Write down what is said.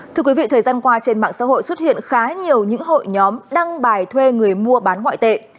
thưa quý vị thời gian qua trên mạng xã hội xuất hiện khá nhiều những hội nhóm đăng bài thuê người mua bán ngoại tệ